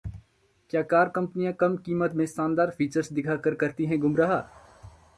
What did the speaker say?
क्या कार कंपनियां कम कीमत में शानदार फीचर्स दिखाकर करती हैं गुमराह?